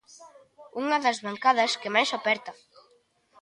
Unha das bancadas que máis aperta.